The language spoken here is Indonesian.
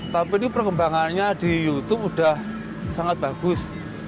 tapi ini perkembangannya di youtube sudah sangat bagus